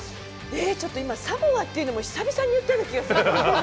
ちょっと今サモアっていうのも久々に言ったような気がする。